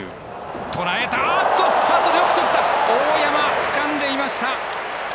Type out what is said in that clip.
大山、つかんでいました！